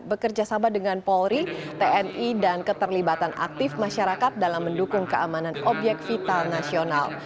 bekerja sama dengan polri tni dan keterlibatan aktif masyarakat dalam mendukung keamanan obyek vital nasional